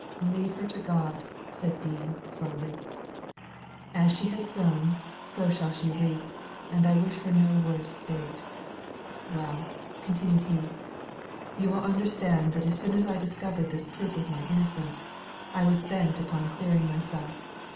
" Leave her to God," said Dean, slowly. *• As she has sown, so shall she reap, and I wish her no worse fate. Well," continued he, '* you will understand that as soon as I discovered this proof of my innocence I was bent upon clearing myself.